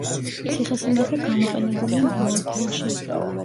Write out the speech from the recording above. ციხე-სიმაგრე გამოყენებულია მრავალ ფილმში.